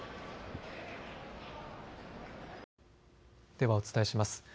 ではお伝えします。